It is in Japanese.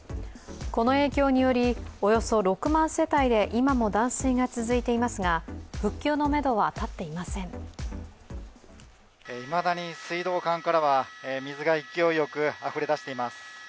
この影響により、およそ６万世帯で今も断水が続いていますがいまだに水道管からは水が勢いよくあふれ出しています。